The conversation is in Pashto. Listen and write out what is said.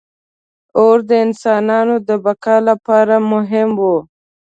• اور د انسانانو د بقا لپاره مهم و.